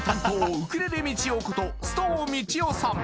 ウクレレみちよこと須藤みちよさん